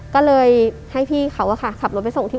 ก็เลยให้พี่เขาอะค่ะขับรถไปส่งที่